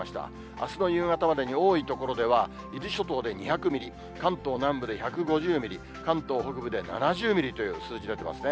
あすの夕方までに多い所では伊豆諸島で２００ミリ、関東南部で１５０ミリ、関東北部で７０ミリという数字出てますね。